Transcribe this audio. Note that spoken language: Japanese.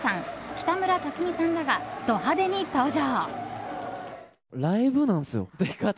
北村匠海さんらがド派手に登場！